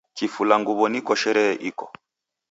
Kifula nguw'o niko sherehe iko